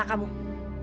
saya mau jempol